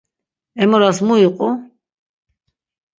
Em oras mu iqu?